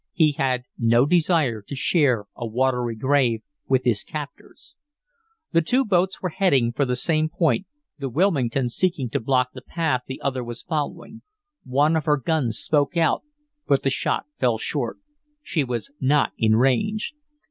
He had no desire to share a watery grave with his captors. The two boats were heading for the same point, the Wilmington seeking to block the path the other was following. One of her guns spoke out, but the shot fell short. She was not in range.